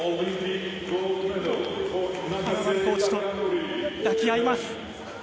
コーチと抱き合います。